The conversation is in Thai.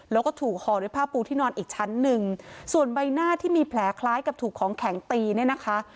แล้วก็ถูกห่อด้วยผ้าปูที่นอนอีกชั้นหนึ่งส่วนใบหน้าที่มีแผลคล้ายกับถูกของแข็งตีเนี่ยนะคะ